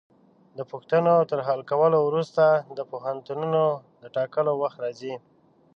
د پوښتنو تر حل کولو وروسته د پوهنتونونو د ټاکلو وخت راځي.